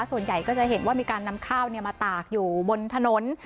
ส่วนใหญ่ก็จะเห็นว่ามีการนำข้าวมาตากอยู่บนถนน